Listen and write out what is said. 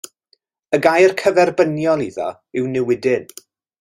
Y gair cyferbyniol iddo yw newidyn.